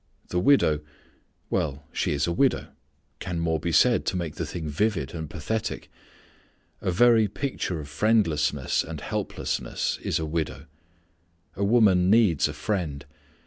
The widow well, she is a widow. Can more be said to make the thing vivid and pathetic! A very picture of friendlessness and helplessness is a widow. A woman needs a friend.